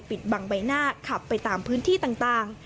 ปิดบังใบหน้าขับไปตามพื้นที่ต่าง